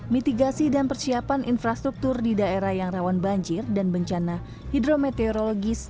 mitigasi dan persiapan infrastruktur di daerah yang rawan banjir dan bencana hidrometeorologis